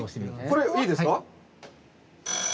これいいですか？